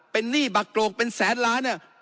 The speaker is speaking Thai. เป็นหนี้บักโกรกเป็นแสนล้านเนี่ย